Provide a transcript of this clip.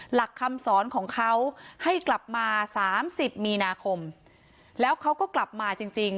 หลักคำสอนของเขาให้กลับมาสามสิบมีนาคมแล้วเขาก็กลับมาจริงจริง